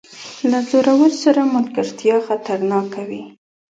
له زورور سره ملګرتیا خطرناکه وي.